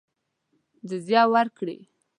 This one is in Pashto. جزیه ورکړي.